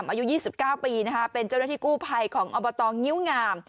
อายุ๒๙ปีเป็นเจ้าหน้าที่กู้ภัยของอบตงิ้วงาม